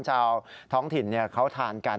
ชาวท้องถิ่นเขาทานกัน